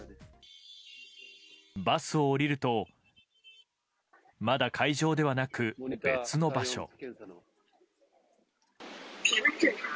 バスを降りるとまだ会場ではなく別の場所。